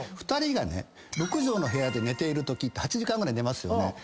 ２人が６畳の部屋で寝てるとき８時間ぐらい寝ますよね。